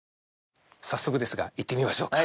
・早速ですがいってみましょうか。